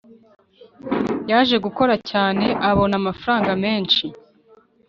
Yaje gukora cyane abona amafaranga menshi